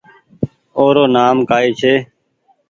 او رو نآم ڪآئي ڇي